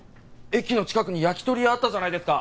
駅の近くに焼き鳥屋あったじゃないですか。